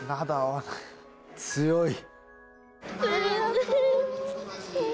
強い。